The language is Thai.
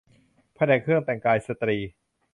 แผนกเครื่องแต่งกายสตรี